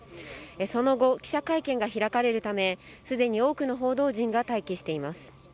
その後、記者会見が開かれるためすでに多くの報道陣が待機しています。